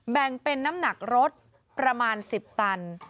แบ่งเป็นน้ำหนักรถประมาณ๑๐ตัน